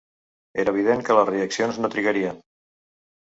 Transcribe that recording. Era evident que les reaccions no trigarien.